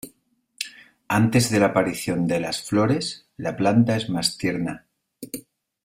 Antes de la aparición de las flores, la planta es más tierna.